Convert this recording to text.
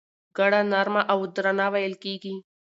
ګړه نرمه او درنه وېل کېږي.